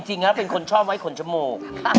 จริงแล้วเป็นคนชอบไว้ขนจมูก